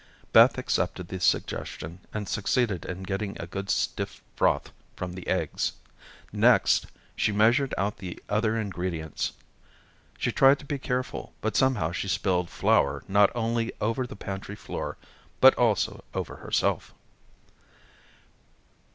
Beth accepted the suggestion and succeeded in getting a good stiff froth from the eggs. Next, she measured out the other ingredients. She tried to be careful, but somehow she spilled flour not only over the pantry floor but also over herself.